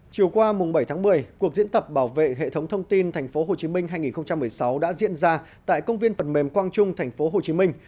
chiều qua bảy tháng một mươi cuộc diễn tập bảo vệ hệ thống thông tin tp hcm hai nghìn một mươi sáu đã diễn ra tại công viên phần mềm quang trung tp hcm